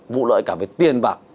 vụ lợi cả về tiền bạc